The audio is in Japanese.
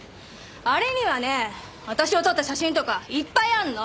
あれにはね私を撮った写真とかいっぱいあるの！